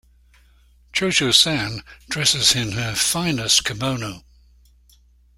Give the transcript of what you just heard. Cho-Cho-San dresses in her finest kimono.